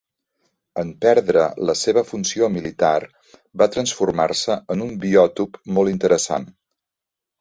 En perdre la seva funció militar, va transformar-se en un biòtop molt interessant.